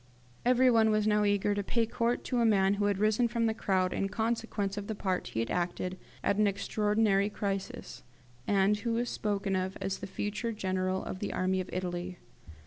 Everyone was now eager to pay court to a man who had risen from the crowd in consequence of the part he had acted at an extraordinary crisis, and who was spoken of as the future General of the Army of Italy.